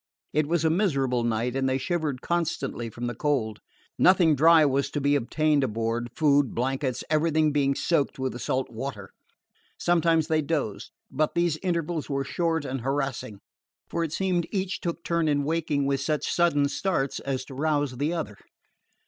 It was a miserable night, and they shivered constantly from the cold. Nothing dry was to be obtained aboard, food, blankets, everything being soaked with the salt water. Sometimes they dozed; but these intervals were short and harassing, for it seemed each took turn in waking with such sudden starts as to rouse the other.